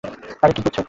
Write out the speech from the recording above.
আরে, কি করছো?